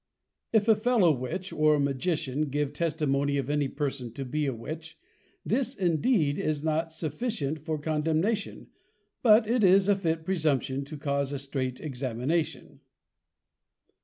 _If a +Fellow Witch+, or +Magician+, give Testimony of any Person to be a +Witch+; this indeed is not sufficient for Condemnation; but it is a fit Presumption to cause a strait Examination.